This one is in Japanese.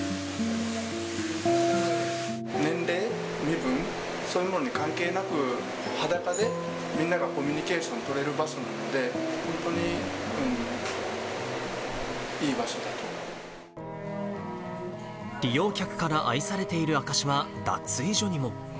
年齢、身分、そういうものに関係なく、裸でみんながコミュニケーション取れる場所なので、利用客から愛されている証しは、脱衣所にも。